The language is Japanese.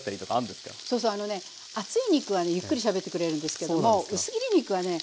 そうそうあのね厚い肉はねゆっくりしゃべってくれるんですけども薄切り肉はね